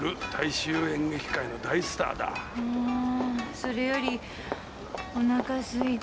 それよりお腹すいたぁ。